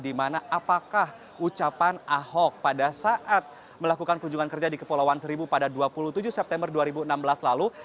dimana apakah ucapan ahok pada saat melakukan kunjungan kerja di kepulauan seribu pada dua puluh tujuh september dua ribu enam belas lalu